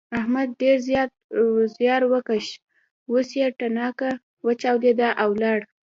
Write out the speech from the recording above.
احمد ډېر زیار وکيښ اوس يې تڼاکه وچاوده او ولاړ.